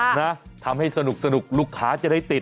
นะทำให้สนุกลูกค้าจะได้ติด